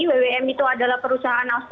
jadi wwm itu adalah perusahaan